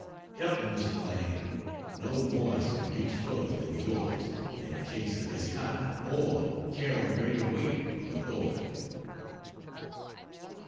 Help me, Mr. Lang; no voice can reach further than yours in a case of this kind, or carry greater weight of authority.